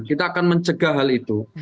kita akan mencegah hal itu